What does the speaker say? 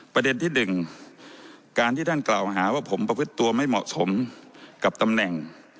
ประเด็นที่๑การที่ท่านกล่าวหาว่าผมประพฤติตัวไม่เหมาะสมกับตำแหน่ง